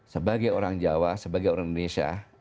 sebagai orang jawa sebagai orang indonesia